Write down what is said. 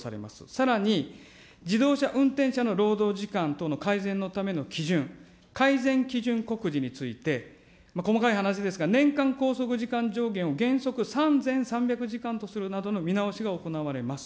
さらに自動車運転者の労働時間等の改善のための基準、改善基準告示について、細かい話ですが、年間拘束時間上限を原則３３００時間とするなどの見直しが行われます。